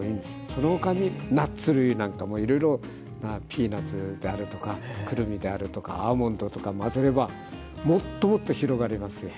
その他にナッツ類なんかもいろいろピーナツであるとかくるみであるとかアーモンドとか混ぜればもっともっと広がりますよ。